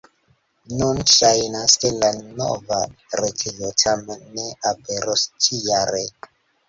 Nun ŝajnas, ke la nova retejo tamen ne aperos ĉi-jare.